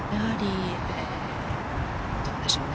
どうでしょうね。